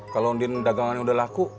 kalau dagangannya udah laku